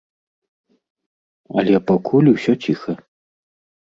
Але пакуль усё ціха.